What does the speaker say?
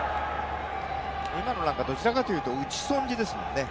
今のなんか、どちらかというと打ち損じですからね。